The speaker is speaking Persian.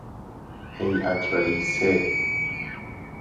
هیئت رئیسه